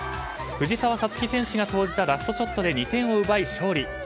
藤澤五月選手が投じたラストショットで２点を奪い勝利。